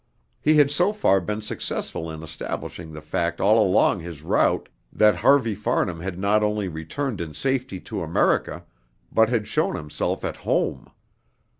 He had so far been successful in establishing the fact all along his route that Harvey Farnham had not only returned in safety to America, but had shown himself at home.